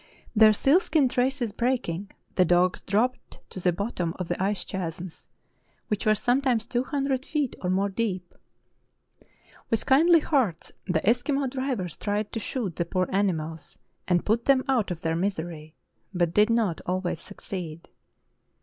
Their seal skin traces breaking, the dogs dropped to the bot tom of the ice chasms, which were sometimes two hun dred feet or more deep. With kindly hearts the Eskimo drivers tried to shoot the poor animals, and put them out of their misery, but did not always succeed.